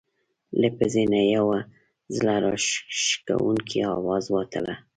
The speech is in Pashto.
له پزې نه یو زړه راښکونکی اواز وتله.